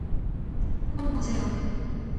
한번 보세요.